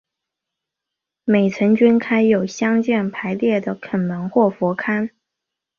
每层均开有相间排列的壸门或佛龛。